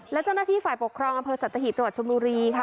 และเจ้าหน้าที่ฝ่ายปกครองอัมเภอศตาหิตจังหวัดชมโนรี